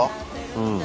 うん。